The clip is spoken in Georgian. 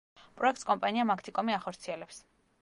პროექტს კომპანია მაგთიკომი ახორციელებს.